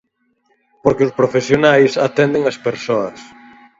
Porque os profesionais atenden as persoas.